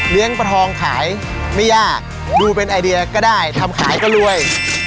ประทองขายไม่ยากดูเป็นไอเดียก็ได้ทำขายก็รวย